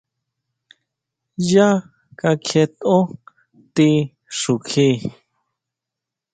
Yá kakjietʼó ti xtijun.